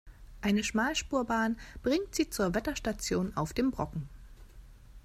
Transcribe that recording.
Eine Schmalspurbahn bringt Sie zur Wetterstation auf dem Brocken.